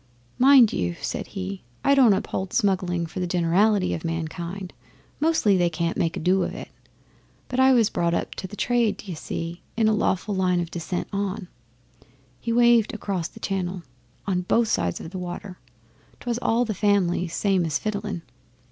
'Mind you,' said he, 'I don't uphold smuggling for the generality o' mankind mostly they can't make a do of it but I was brought up to the trade, d'ye see, in a lawful line o' descent on' he waved across the Channel 'on both sides the water. 'Twas all in the families, same as fiddling.